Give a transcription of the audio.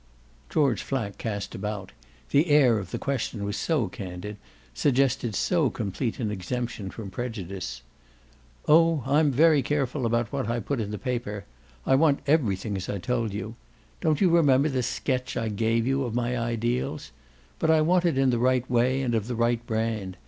George Flack cast about the air of the question was so candid, suggested so complete an exemption From prejudice. "Oh I'm very careful about what I put in the paper. I want everything, as I told you; Don't you remember the sketch I gave you of my ideals? But I want it in the right way and of the right brand.